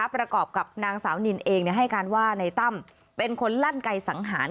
ประกอบกับนางสาวนินเองให้การว่าในตั้มเป็นคนลั่นไกสังหาร